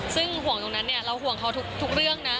ซึ่งห่วงตรงนั้นเนี่ยเราห่วงเขาทุกเรื่องนะ